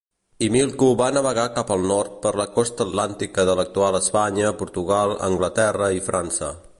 Himilco va navegar cap al nord per la costa atlàntica de l'actual Espanya, Portugal, Anglaterra i França.